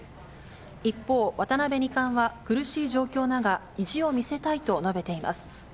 一方、渡辺二冠は、苦しい状況だが、意地を見せたいと述べています。